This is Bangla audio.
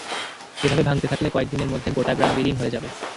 এভাবে ভাঙতে থাকলে কয়েক দিনের মধ্যে গোটা গ্রাম বিলীন হয়ে যাবে।